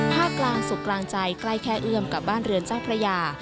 ภาคกลางสุขกลางใจใกล้แค่เอื้อมกับบ้านเรือนเจ้าพระยา